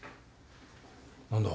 何だ？